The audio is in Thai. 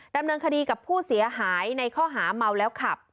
ดำเนินคดีกับผู้เสียหายในข้อหาเมาแล้วขับ